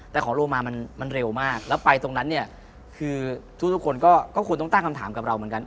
แต่ของโลมามันเร็วมากแล้วไปตรงนั้นเนี่ยคือทุกคนก็ควรต้องตั้งคำถามกับเราเหมือนกัน